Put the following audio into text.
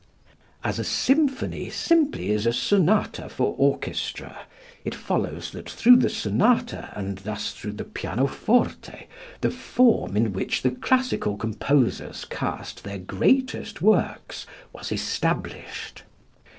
As a symphony simply is a sonata for orchestra, it follows that through the sonata and thus through the pianoforte the form in which the classical composers cast their greatest works was established.